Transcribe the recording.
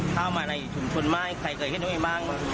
เข้ามาในชุมชนมายใครเคยเห็นไว้บ้าง